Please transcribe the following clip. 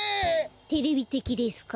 テレビてきですか？